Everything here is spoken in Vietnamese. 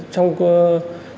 trong cuộc đời thường